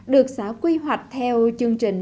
được xã quy hoạch theo chương trình